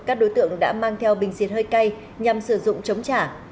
các đối tượng đã mang theo bình xịt hơi cay nhằm sử dụng chống trả